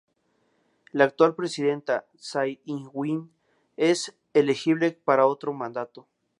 La actual presidenta Tsai Ing-wen es elegible para otro mandato.